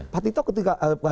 pak tito ketika